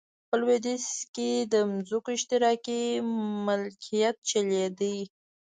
په لوېدیځ کې د ځمکو اشتراکي مالکیت چلېده.